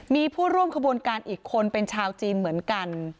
มีผู้ร่วมขบวนการอีกคนเป็นชาวจีนเหมือนกัน